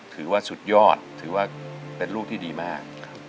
ถือว่าสุดยอดถือว่าเป็นลูกที่ดีมาก